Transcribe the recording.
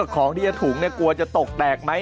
ของที่จะถุงกลัวจะตกแตกไหม